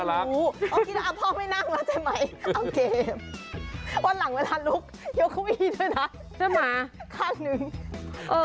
โอเคพ่อไม่นั่งแล้วใช่ไหม